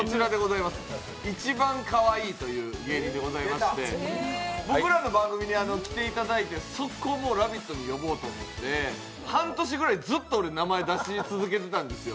いちばんかわいいという芸人でございまして僕らの番組に来ていただいて速攻「ラヴィット！」に呼ぼうと思って半年ぐいらいずっと名前出し続けていたんですよ。